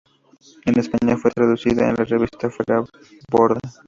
En España fue traducida en la revista "Fuera Borda".